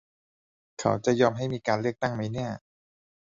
เขาจะยอมให้มีเลือกตั้งไหมเนี่ย